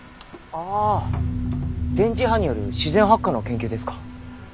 ああ電磁波による自然発火の研究ですか？